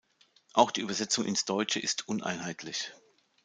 Auch die Übersetzung ins Deutsche ist uneinheitlich.